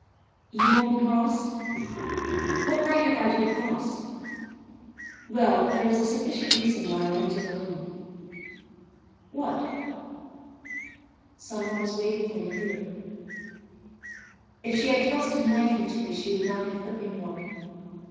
"You won't be cross?" "What right have I to be cross?" "Well, there was a sufficient reason why I went in alone." "What?" "Some one was waiting for me here." If she had thrust a knife into me she would not have hurt me more.